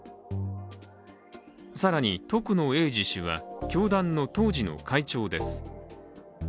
さらに、徳野英治氏は教団の当時の会長です。